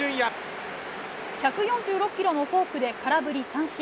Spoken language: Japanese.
１４６キロのフォークで空振り三振。